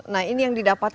nah ini yang didapatkan